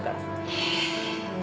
へえ！